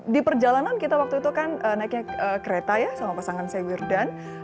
di perjalanan kita waktu itu kan naiknya kereta ya sama pasangan saya wirdan